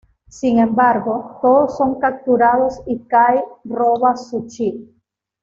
Sin embargo, todos son capturados y Kai roba su Chi.